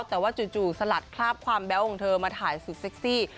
แต่ว่าจู่สลัดคราบความแบ๊วของเธอมาถ่ายสุดเซ็กซี่